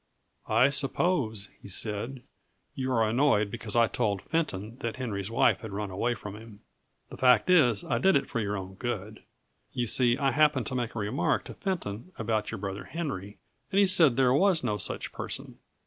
"I suppose," he said, "you are annoyed because I told Fenton that Henry's wife had run away from him. The fact is I did it for your good. You see I happened to make a remark to Fenton about your brother Henry, and he said that there was no such person.